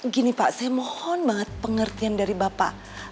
gini pak saya mohon banget pengertian dari bapak